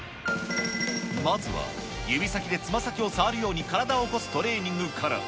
まずは指先でつま先を触るように体を起こすトレーニングから。